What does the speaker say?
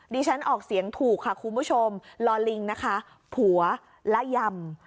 ฉันออกเสียงถูกค่ะคุณผู้ชมลอลิงนะคะผัวและยำ